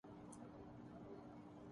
کاروبار بھی وہ جو صدا بہار ہے۔